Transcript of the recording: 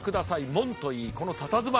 門といいこのたたずまい。